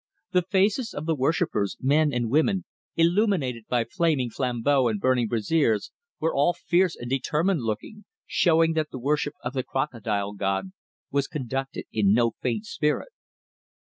The faces of the worshippers, men and women, illuminated by flaming flambeaux and burning braziers, were all fierce and determined looking, showing that the worship of the Crocodile god was conducted in no faint spirit.